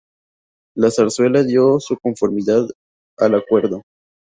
La Zarzuela dio su conformidad al acuerdo.